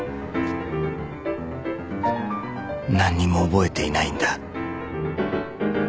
何も覚えていないんだ。